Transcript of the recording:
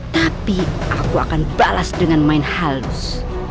tapi aku akan balas dengan main halus